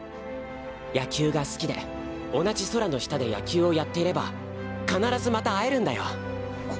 野球が好きで同じ空の下で野球をやってれば必ずまた会えるんだよ！